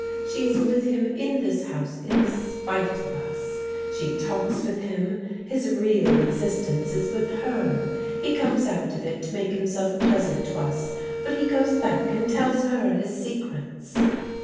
She is with him in this house in spite of us; she talks with him; his real existence is with her. He comes out of it to make himself pleasant to us, but he goes back and tells her his secrets."